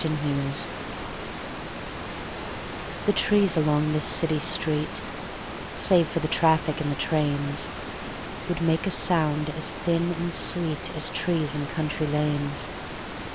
CITY TREES The trees along this city street, Save for the traffic and the trains, Would make a sound as thin and sweet As trees in country lanes.